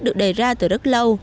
được đề ra từ rất lâu